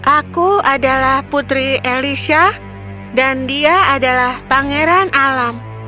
aku adalah putri elisha dan dia adalah pangeran alam